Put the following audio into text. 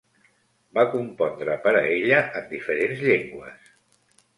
Va compondre per a ella en diferents llengües.